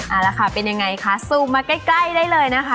เอาละค่ะเป็นยังไงคะสูบมาใกล้ได้เลยนะคะ